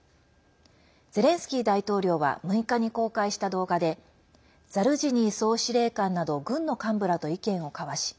ゼレンスキー大統領は６日に公開した動画でザルジニー総司令官など軍の幹部らと意見を交わし